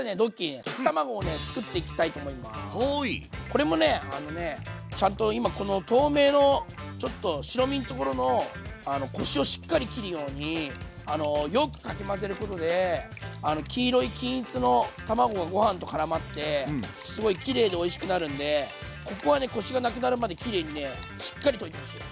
これもあのねちゃんと今この透明のちょっと白身のところのこしをしっかり切るようによくかき混ぜることで黄色い均一の卵がご飯とからまってすごいきれいでおいしくなるんでここはねこしがなくなるまできれいにしっかり溶いてほしい。